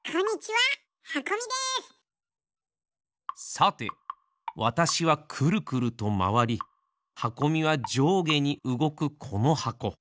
さてわたしはくるくるとまわりはこみはじょうげにうごくこのはこ。